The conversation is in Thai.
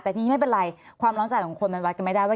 แต่ทีนี้ไม่เป็นไรความร้อนใจของคนมันวัดกันไม่ได้ว่า